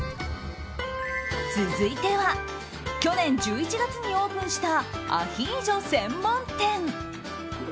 続いては去年１１月にオープンしたアヒージョ専門店。